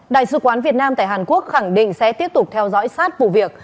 đại sứ quán việt nam tại hàn quốc khẳng định sẽ tiếp tục theo dõi sát vụ việc